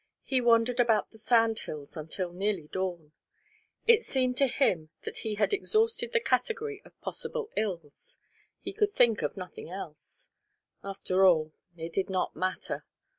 He wandered about the sand hills until nearly dawn. It seemed to him that he had exhausted the category of possible ills; he could think of nothing else. After all, it did not matter.